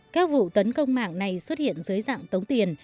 các vụ tấn công mạng này xuất hiện dưới dạng tống tiền